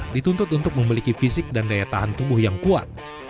dituntut untuk memiliki fisik dan daya tahan tubuh yang kuat